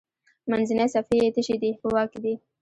منځنۍ صفحې یې تشې دي په واک کې دي.